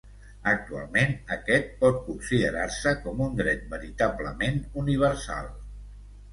Actualment, aquest pot considerar-se com un dret veritablement universal.